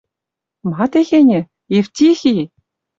Ма техеньӹ? Евтихи!..